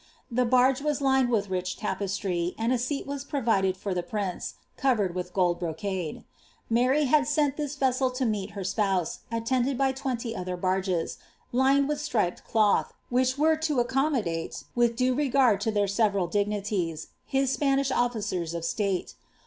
The beige was liaed with rich tapestry, and a seat was provided for the prince, covered wA gold brocade. Mary had sent this vessel to meet her spouse, auendcd by twenty other barges, lined with striped cloth, which were toacconuBO date, with due regard to their several dignities, his Spanish officers of state.